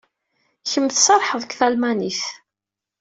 Kemm tserrḥeḍ deg talmanit.